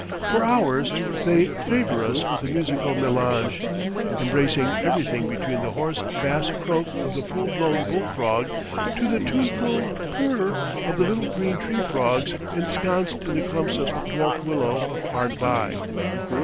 For hours they favor us with a musical melange, embracing everything between the hoarse bass croak of the full blown bull frog, to the tuneful "p r" of the little green tree frogs ensconced in the clumps of dwarf willow hard by.